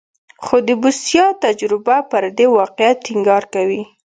خو د بوسیا تجربه پر دې واقعیت ټینګار کوي.